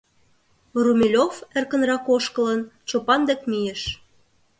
Румелёв, эркынрак ошкылын, Чопан дек мийыш.